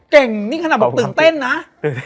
เก่งนี่ขนาดบอกตื่นเต้นนะ